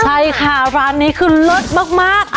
ใช่ค่ะร้านนี้คือเลิศมาก